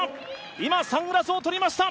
今、サングラスをとりました。